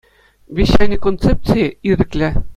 Вещани концепцийӗ – «ирӗклӗ».